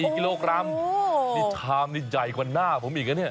กิโลกรัมนี่ชามนี่ใหญ่กว่าหน้าผมอีกนะเนี่ย